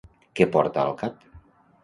Què porta al cap?